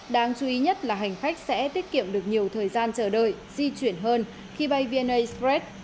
đáng chú ý nhất là hành khách sẽ tiết kiệm được nhiều thời gian chờ đợi di chuyển hơn khi bay vnai spress